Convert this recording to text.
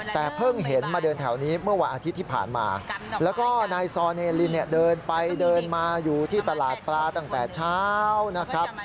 แต่เพิ่งเห็นมาเดินแถวนี้เมื่อวันอาทิตย์ที่ผ่านมาแล้วก็นายซอเนลินเนี่ยเดินไปเดินมาอยู่ที่ตลาดปลาตั้งแต่เช้านะครับ